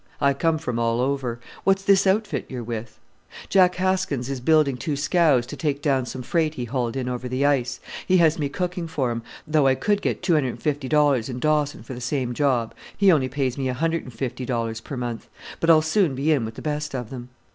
"I come from all over: what's this outfit you're with?" "Jack Haskins is building two scows to take down some freight he hauled in over the ice. He has me cooking for him, though I could get $250.00 in Dawson for the same job. He only pays me $150.00 per month; but I'll soon be in with the best of them.